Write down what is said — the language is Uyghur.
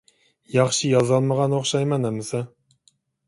ياخشى يازالمىغان ئوخشايمەن ئەمىسە.